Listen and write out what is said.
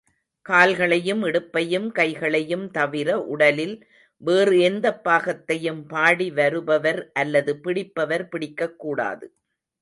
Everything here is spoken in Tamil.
கால்களையும், இடுப்பையும், கைகளையும் தவிர, உடலில் வேறு எந்த பாகத்தையும் பாடி வருபவர் அல்லது பிடிப்பவர் பிடிக்கக்கூடாது.